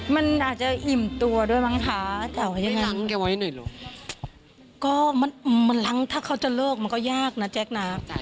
มันอาจจะอิ่มตัวด้วยมั้งค่ะแต่ว่าอย่างนั้น